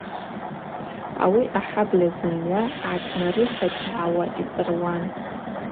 Ауи ахӏабльа зымгӏва гӏатнарыхӏвачвгӏауа йцӏыруан.